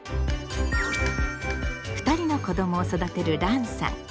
２人の子どもを育てるランさん。